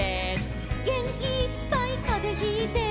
「げんきいっぱいかぜひいて」